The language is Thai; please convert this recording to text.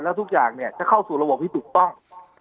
แล้วทุกอย่างจะเข้าสู่ระบบที่ถูกต้อง